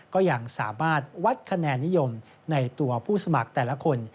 ก็ยังสามารถวัดคะแนนนิยมในตัวผู้สมัครแต่ละคน